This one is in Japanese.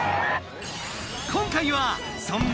今回はそんな